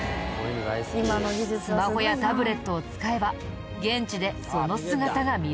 スマホやタブレットを使えば現地でその姿が見られるよ。